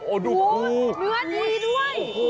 โอ้โหดูเนื้อดีด้วย